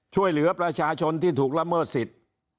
ช่วยเหลือประชาชนที่ถูกละเมิดสิทธิ์